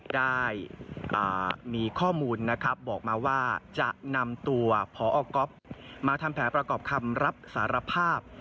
ได้มีข้อมูลนะครับบอกมาว่าจะนำตัวพอก๊อฟมาทำแผนประกอบคำรับสารภาพ